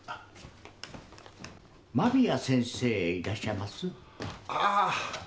間宮先生いらっしゃいます？ああ。